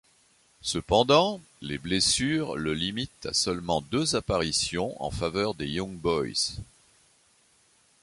Cependant, les blessures le limitent à seulement deux apparitions en faveur des Young Boys.